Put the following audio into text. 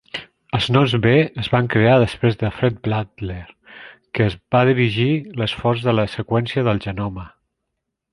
Els noms "b" es van crear després de Fred Blattner, que va dirigir l'esforç de la seqüència del genoma.